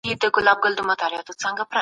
بحثونه کله پای ته رسیږي؟